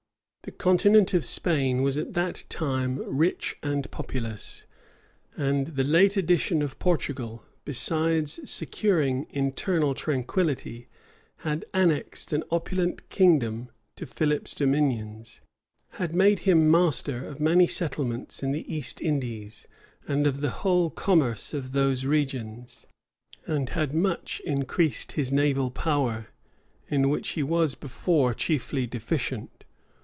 The continent of Spain was at that time rich and populous; and the late addition of Portugal, besides securing internal tranquillity, had annexed an opulent kingdom to Philip's dominions, had made him master of many settlements in the East Indies, and of the whole commerce of those regions, and had much increased his naval power, in which he was before chiefly deficient.